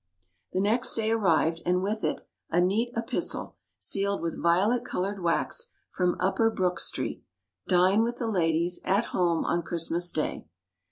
The next day arrived, and with it a neat epistle, sealed with violet colored wax, from Upper Brook street. "Dine with the ladies at home on Christmas Day."